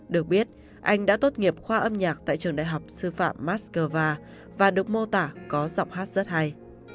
được biết anh đã tốt nghiệp khoa âm nhạc tại trường đại học sư phạm moscow và được mô tả có giọng hát rất hay